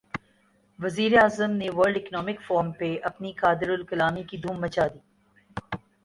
وزیر اعظم نے ورلڈ اکنامک فورم پہ اپنی قادرالکلامی کی دھوم مچا دی۔